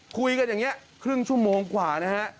คุยกันอย่างนี้ครึ่งชั่วโมงกว่านะฮะ